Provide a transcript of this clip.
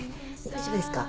大丈夫ですか？